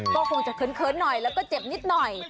ก็คงจะเขินหน่อยแล้วก็เจ็บนิดหน่อย